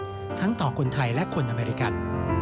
ทางประวัติศาสตร์ทั้งต่อคนไทยและคนอเมริกัน